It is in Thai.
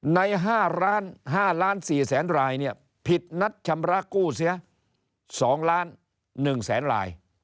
ใน๕ล้าน๔๐๐ลายผิดนัดชำระกู้เสีย๒ล้าน๑๐๐๐๐๐ลาย